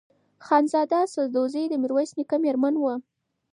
خانزاده سدوزۍ د میرویس نیکه مېرمن وه.